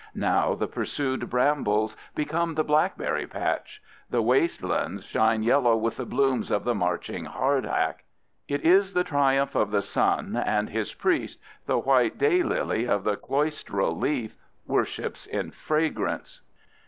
Now the pursued brambles become the blackberry patch. The waste lands shine yellow with the blooms of the marching hardhack. It is the triumph of the sun, and his priest, the white day lily of the cloistral leaf, worships in fragrance.